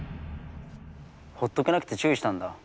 ほっとけなくて注意したんだ。